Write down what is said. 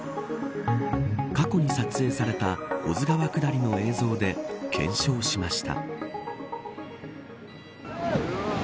過去に撮影された保津川下りの映像で検証しました。